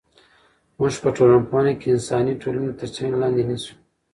موږ په ټولنپوهنه کې انساني ټولنې تر څېړنې لاندې نیسو.